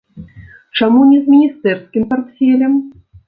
Чаму не з міністэрскім партфелем?